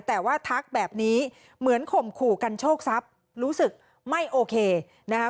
แต่ว่าทักแบบนี้เหมือนข่มขู่กันโชคทรัพย์รู้สึกไม่โอเคนะคะ